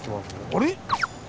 あれ⁉